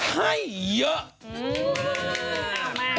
ให้เยอะ